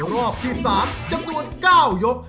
รอบที่๓จำนวน๙ยก